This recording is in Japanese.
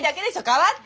代わって。